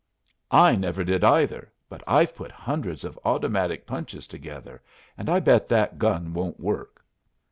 "I never did, either, but I've put hundreds of automatic punches together, and I bet that gun won't work."